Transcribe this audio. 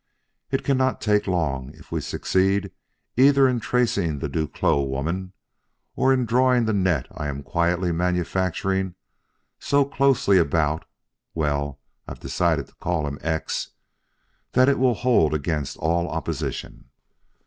It cannot take long if we succeed either in tracing the Duclos woman or in drawing the net I am quietly manufacturing, so closely about well, I've decided to call him X that it will hold against all opposition.